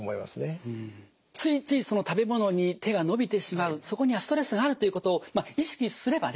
ついつい食べ物に手が伸びてしまうそこにはストレスがあるということを意識すればね